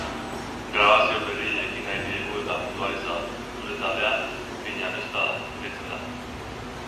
Grabazio berriei ekin nahi diegu eta munduari zabaldu. Gure taldea Piñamixta deitzen da.